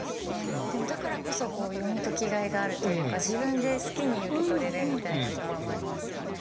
でもだからこそ読み解きがいがあるというか自分で好きに受け取れるみたいなところもありますよね。